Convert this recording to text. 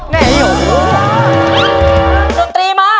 ดนตรีมา